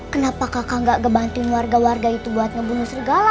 kenapa kakak gak ngebantuin warga warga itu buat ngebunuh segala